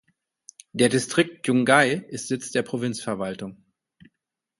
Der Distrikt Yungay ist Sitz der Provinzverwaltung.